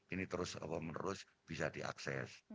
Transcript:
ini terus menerus bisa diakses